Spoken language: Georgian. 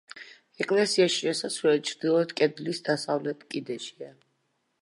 ეკლესიაში შესასვლელი ჩრდილოეთ კედლის დასავლეთ კიდეშია.